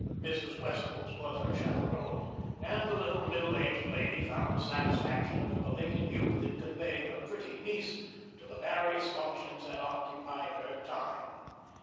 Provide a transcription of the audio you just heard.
Mrs. Wessels was her chaperone, and the little middle aged lady found the satisfaction of a belated youth in conveying her pretty niece to the various functions that occupied her time.